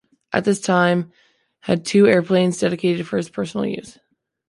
At this time had two airplanes dedicated for his personal use.